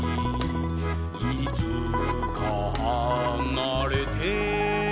「いつかはなれて」